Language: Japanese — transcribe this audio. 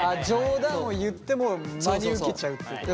冗談を言っても真に受けちゃうってことね。